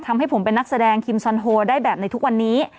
ทำให้ผมเป็นนักแสดงคิมซอนโฮได้แบบในทุกวันนี้